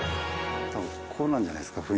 こんなんじゃないですか？